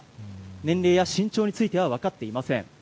年齢や身長については分かっていません。